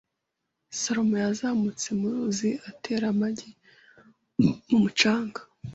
Salmon yazamutse mu ruzi atera amagi mu mucanga .